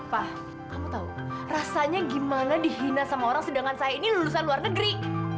pak kamu tahu rasanya gimana dihina sama orang sedangkan saya ini lulusan luar negeri